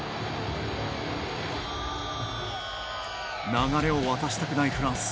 流れを渡したくないフランス。